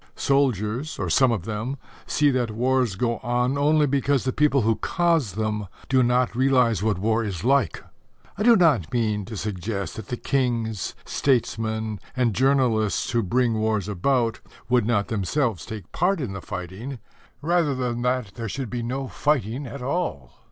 Soldiers or some of them see that wars go on only because the people who cause them do not realize what war is like. I do not mean to suggest that the kings, statesmen and journalists who bring wars about would not themselves take part in the fighting rather than that there should be no fighting at all.